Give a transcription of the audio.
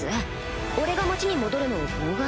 俺が町に戻るのを妨害？